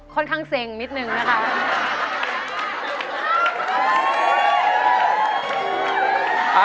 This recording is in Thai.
ค่อนข้างเซ็งนิดนึงนะคะ